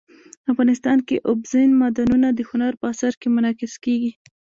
افغانستان کې اوبزین معدنونه د هنر په اثار کې منعکس کېږي.